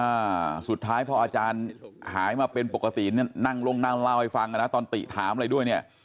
อ่าสุดท้ายพออาจารย์หายมาเป็นปกติเนี่ยนั่งลงนั่งเล่าให้ฟังอ่ะนะตอนติถามอะไรด้วยเนี่ย